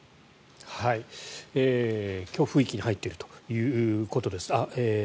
強風域に入っているということです。